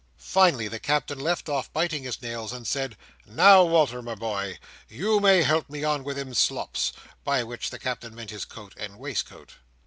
Finally, the Captain left off biting his nails, and said, "Now, Wal"r, my boy, you may help me on with them slops." By which the Captain meant his coat and waistcoat.